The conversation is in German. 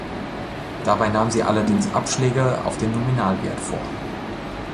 Dabei nahm sie allerdings Abschläge auf den Nominalwert vor.